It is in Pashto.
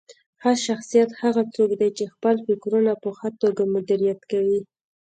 ښه شخصیت هغه څوک دی چې خپل فکرونه په ښه توګه مدیریت کوي.